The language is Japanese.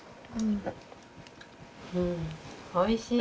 おいしい。